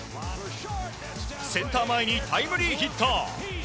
センター前にタイムリーヒット。